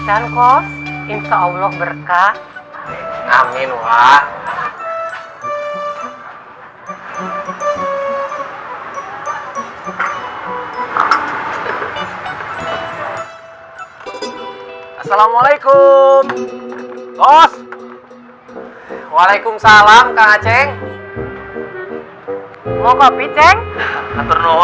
assalamualaikum bos waalaikumsalam kak ceng mau kopi ceng